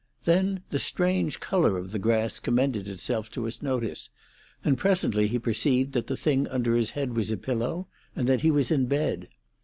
Then the strange colour of the grass commended itself to his notice, and presently he perceived that the thing under his head was a pillow, and that he was in bed.